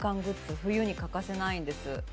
冬に欠かせないんです。